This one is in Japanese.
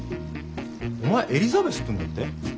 お前エリザベスっていうんだって？